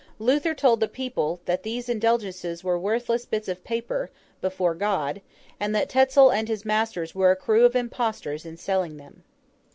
Luther told the people that these Indulgences were worthless bits of paper, before God, and that Tetzel and his masters were a crew of impostors in selling them.